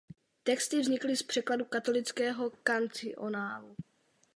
Texty vznikly z překladu katolického kancionálu.